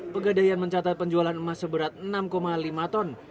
pegadaian mencatat penjualan emas seberat enam lima ton